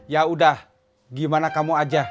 yaudah gimana kamu aja